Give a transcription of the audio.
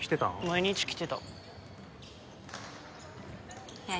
毎日来てたいや